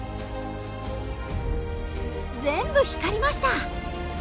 全部光りました。